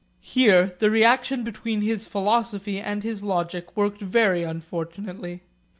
Here the reaction between his philosophy and his logic worked very unfortunately.